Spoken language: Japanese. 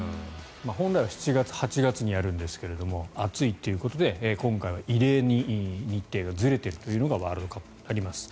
本来は７月、８月にやるんですが暑いということで今回は異例に日程がずれているというのがワールドカップ、あります。